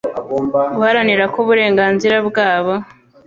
guharanira ko uburenganzira bwabo